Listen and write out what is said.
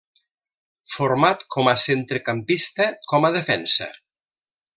Format com a centrecampista, com a defensa.